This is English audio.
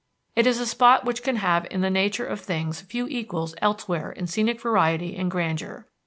It is a spot which can have in the nature of things few equals elsewhere in scenic variety and grandeur.